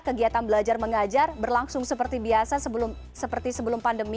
kegiatan belajar mengajar berlangsung seperti biasa seperti sebelum pandemi